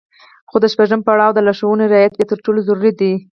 خو د شپږم پړاو د لارښوونو رعايت بيا تر ټولو ضروري دی.